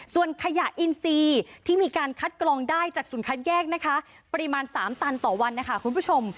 ส่วนขยะอินซีที่มีการคัดกรองได้จากศูนย์คัดแยกนะคะปริมาณ๓ตันต่อวันนะคะคุณผู้ชม